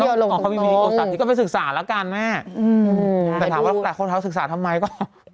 อ๋อมันต้องมีอุตสัตว์ที่ต้องไปศึกษาแล้วกันแม่แต่ถามว่าหลายคนท้าสึกษาทำไมก็